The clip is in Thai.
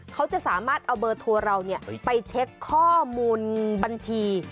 เขาจะสามารถเอาเบอร์ทัวร์เราไปเช็คข้อมูลบัญชี